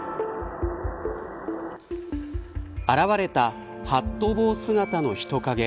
現れたハット帽姿の人影。